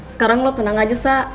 sekarang lo tenang aja sak